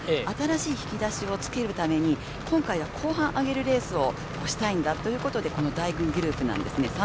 新しい引き出しをつけるために今回は後半、上げるレースをしたいんだということでこの第２グループなんですね。